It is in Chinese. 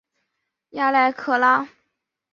雅莱拉克。